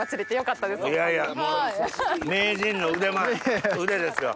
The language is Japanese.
いやいや名人の腕前腕ですよ。